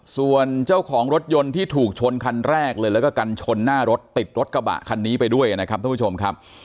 ส่วนเจ้าของรถยนต์ที่ถูกชนคันแรกเลยแล้วก็กันชนหน้ารถติดรถกระบะคันนี้ไปด้วยนะครับท่านผู้ชมครับ